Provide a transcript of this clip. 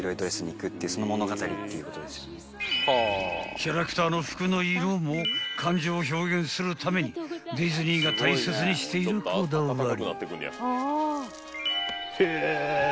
［キャラクターの服の色も感情を表現するためにディズニーが大切にしているこだわり］